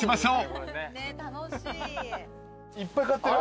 あっいっぱい買ってる。